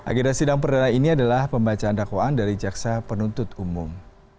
agenda sidang perdana ini adalah pembacaan dakwaan dari jaksa penuntut umum